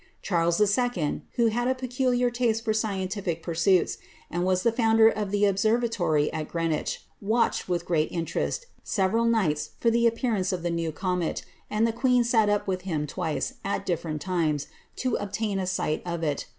Charles 11., who had a peculiar taste for scientllic pursuits, and was the founder of tlie Observatory at Greenwich, watciied, with great interest, several nights for the appea^ ance of the new comet, and the queen sat up with him twice, at diderent times, to obtain a sight of it.